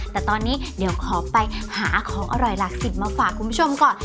แต่ตอนนี้เดี๋ยวขอไปหาของอร่อยหลักสิบมาฝากคุณผู้ชมก่อน